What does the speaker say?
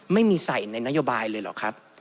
ไม่มีใส่ในนโยบายเลยเหรอครับ